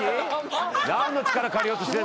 何の力借りようとして。